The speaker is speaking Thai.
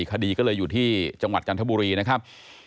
คดีก็เลยอยู่ที่จังหวัดจันทบุรีนะครับ